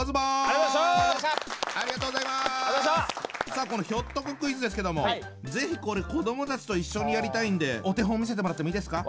さあこのひょっとこクイズですけども是非これ子どもたちと一緒にやりたいんでお手本見せてもらってもいいですか？